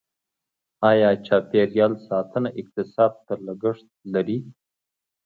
آیا چاپیریال ساتنه اقتصاد ته لګښت لري؟